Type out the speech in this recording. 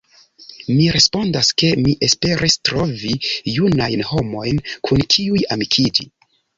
Mi respondas, ke mi esperis trovi junajn homojn kun kiuj amikiĝi.